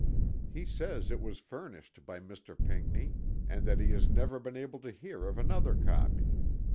He says it was furnished by Mr. Pinckney, and that he has never been able to hear of another copy.